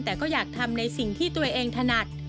แต่ก็อยากทำในสิ่งที่ตัวเองถนัด